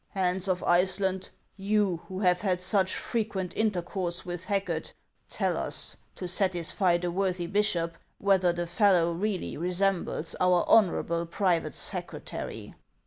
" Hans of Iceland, you, who have had such frequent intercourse with Racket, tell us, to satisfy the worthy bishop, whether the fellow really resembles our honorable private secretary."